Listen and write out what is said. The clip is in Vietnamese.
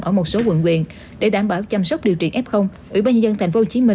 ở một số quận quyền để đảm bảo chăm sóc điều trị f ủy ban nhân dân tp hcm